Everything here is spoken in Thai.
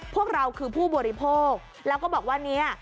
พวกเราคือผู้บริโภคแล้วก็บอกว่าเนี่ย